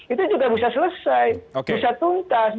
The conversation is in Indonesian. itu juga bisa selesai bisa tuntas